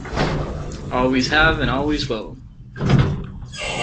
Always have and always will.